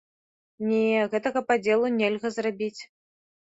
Не, гэтага падзелу нельга зрабіць.